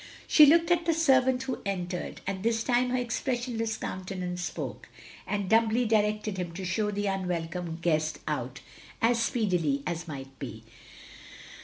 " She looked at the servant who entered, and this time her expressionless countenance spoke, and dtmibly directed him to show the unwelcome guest out as speedily as might be.